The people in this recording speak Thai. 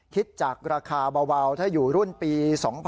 คิดจากราคาเบาถ้าอยู่รุ่นปี๒๕๖๒